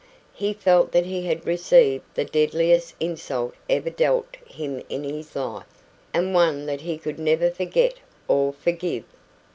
He felt that he had received the deadliest insult ever dealt him in his life, and one that he could never forget or forgive.